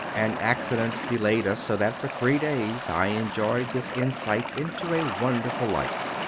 An accident delayed us, so that for three days I enjoyed this insight into a wonderful life.